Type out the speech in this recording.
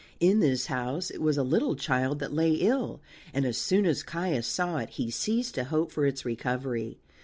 In this house it was a little child that lay ill, and as soon as Caius saw it he ceased to hope for its recovery.